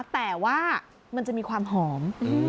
แต่ว่ามันจะมีความหอม